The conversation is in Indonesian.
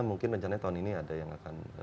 mungkin rencana tahun ini ada yang akan